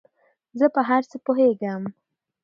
زۀ په هر څه پوهېږم